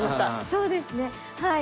そうですねはい。